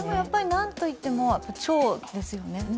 なんといっても、蝶ですよね。